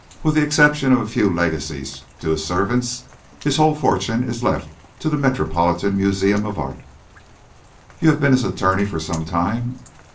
"With the exception of a few legacies to his servants, his whole fortune is left to the Metropolitan Museum of Art." "You have been his attorney for some time?"